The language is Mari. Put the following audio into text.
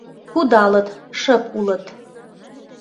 Кудалыт, шып улыт.